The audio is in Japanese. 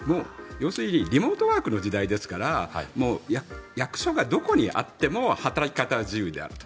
要するにリモートワークの時代ですから役所がどこにあっても働き方は自由であると。